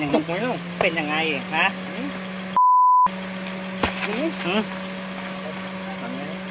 บ้านมา่เนี้ยเป็นยังไงนะ